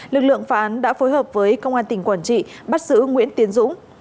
lực lượng phá án đã phối hợp với công an tỉnh quảng trị bắt giữ nguyễn tiến dũng